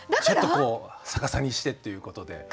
ちょっとこう逆さにしてっていうことで。